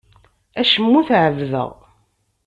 Acemma ur t-ɛebbdeɣ.